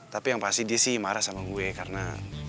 tapi yang pasti dia sih marah sama gue karena